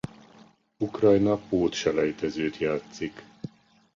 Ukrajna pótselejtezőt játszik.